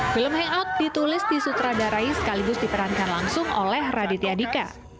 film hangout ditulis disutradarai sekaligus diperankan langsung oleh raditya dika